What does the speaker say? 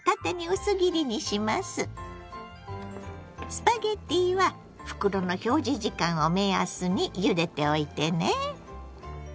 スパゲッティは袋の表示時間を目安にゆでておいてね。